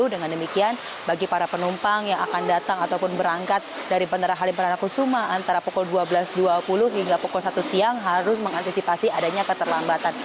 dengan demikian bagi para penumpang yang akan datang ataupun berangkat dari bandara halim perdana kusuma antara pukul dua belas dua puluh hingga pukul satu siang harus mengantisipasi adanya keterlambatan